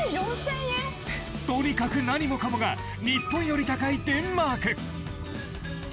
とにかく何もかもが日本より高いデンマーク。